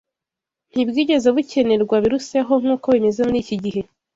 ntibwigeze bukenerwa biruseho nk’uko bimeze muri iki gihe